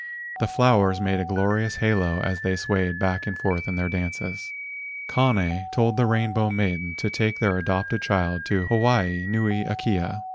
The flowers made a glorious halo as they swayed back and forth in their dances. Kane told the Rainbow Maiden to take their adopted child to Hawaii nui akea.